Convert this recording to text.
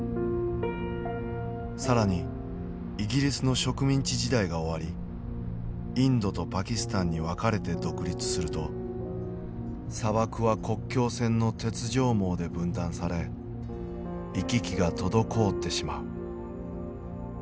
更にイギリスの植民地時代が終わりインドとパキスタンに分かれて独立すると砂漠は国境線の鉄条網で分断され行き来が滞ってしまう。